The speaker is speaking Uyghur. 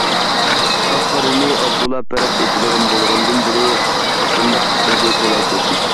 ئاق- قارىنى ئاز تولا پەرق ئېتىدىغان بولغاندىن بىرى، بۇنداق ئىشلارنى تولا كۆردۈم.